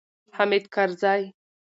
حامد کرزی